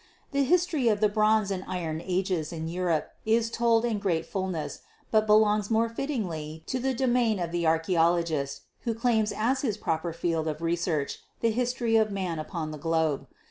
The history of the Bronze and Iron Ages in Europe is told in great fulness, but belongs more fittingly to the domain of the archeolo gist, who claims as his proper field of research the history of man upon the globe.